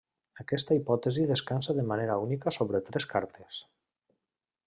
Aquesta hipòtesi descansa de manera única sobre tres cartes.